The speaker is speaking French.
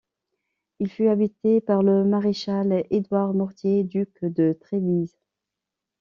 Il fut habité par le maréchal Édouard Mortier, duc de Trévise.